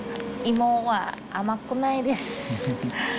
芋は甘くないです。